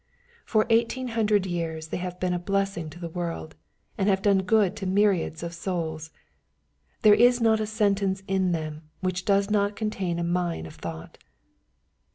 For eighteen hundred years they have been a blessing to the world, and have done good to myriads of souls. There is not a sentence in them which does not contain a mine of thought.